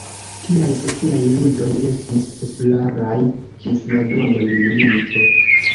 Tiaj sociaj ludoj estis popularaj ĝis la Dua Mondmilito.